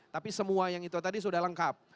tapi semua yang itu tadi sudah lengkap